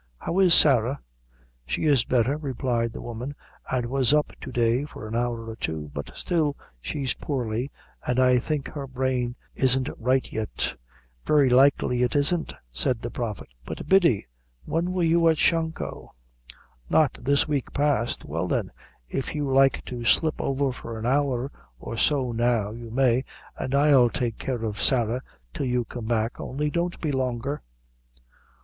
How is Sarah?" "She's better," replied the woman, "an' was up to day for an hour or two; but still she's poorly, and I think her brain isn't right yet." "Very likely it isn't," said the Prophet. "But, Biddy, when were you at Shanco?" "Not this week past." "Well, then, if you like to slip over for an hour or so now, you may, an' I'll take care of Sarah till you come back; only don't be longer."